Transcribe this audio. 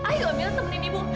ayo amirah temenin ibu